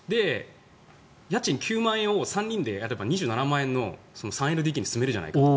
家賃９万円を３人でやれば２７万円の３ＬＤＫに住めるじゃないかと。